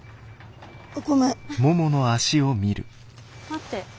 待って。